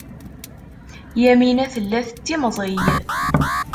Yamina tella tettimẓiy.